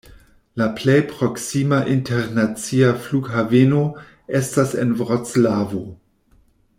La plej proksima internacia flughaveno estas en Vroclavo.